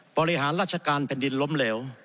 บริหารราชการแผ่นดินล้มเหลว